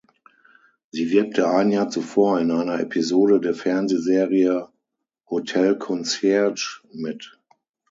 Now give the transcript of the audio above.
Sie wirkte ein Jahr zuvor in einer Episode der Fernsehserie "Hotel Concierge" mit.